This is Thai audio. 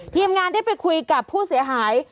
ทีมงานได้ไปคุยกับผู้เสียหาย